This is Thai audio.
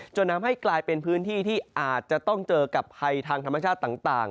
จนทำให้กลายเป็นพื้นที่ที่อาจจะต้องเจอกับภัยทางธรรมชาติต่าง